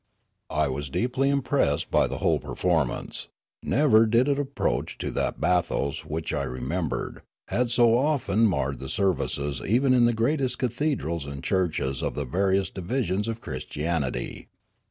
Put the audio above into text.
I was deepl}' impressed by the whole performance ; never did it approach to that bathos which, I remem bered, had so often marred the services in even the greatest cathedrals and churches of the various divi sions of Christianity.